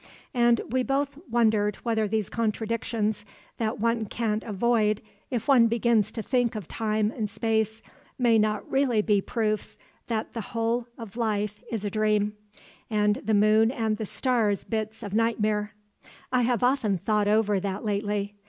And we both wondered whether these contradictions that one can't avoid if one begins to think of time and space may not really be proofs that the whole of life is a dream, and the moon and the stars bits of nightmare. I have often thought over that lately.